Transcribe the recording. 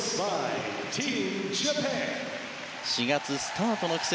４月、スタートの季節。